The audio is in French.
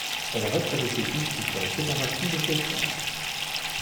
Elle reste avec l'équipe jusqu'à la séparation de celle-ci.